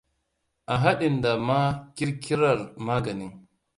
a hadin da ma kir-kirar magani.